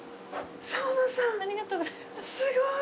すごい。